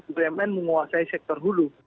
bumn menguasai sektor hulu